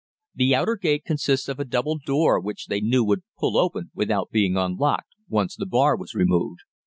The outer gate consists of a double door which they knew would pull open without being unlocked, once the bar was removed.